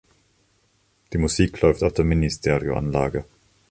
Die Musik läuft auf der Ministereoanlage.